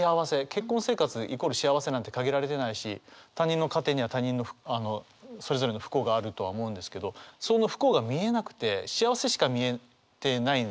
結婚生活イコール幸せなんて限られてないし他人の家庭にはそれぞれの不幸があるとは思うんですけどその不幸が見えなくて幸せしか見えてないんですよね。